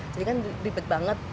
jadi kan ribet banget